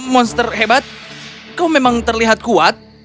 monster hebat kau memang terlihat kuat